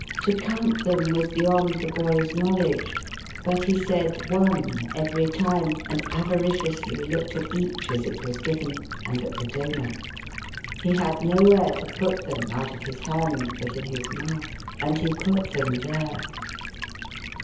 To count them was beyond the boy's knowledge, but he said " one," every time, and avariciously looked at each as it was given, and at the donor. He had nowhere to put them, out of his hand, but in his mouth ; and he put them there.